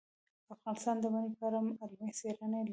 افغانستان د منی په اړه علمي څېړنې لري.